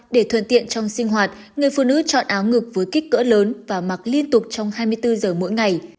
để thuận tiện trong sinh hoạt người phụ nữ chọn áo ngực với kích cỡ lớn và mặc liên tục trong hai mươi bốn giờ mỗi ngày